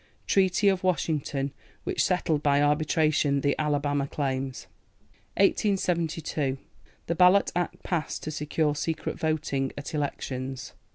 TREATY OF WASHINGTON, which settled by arbitration the Alabama claims. 1872. The Ballot Act passed to secure secret voting at elections.